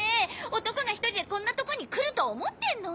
男が１人でこんなとこに来ると思ってんの？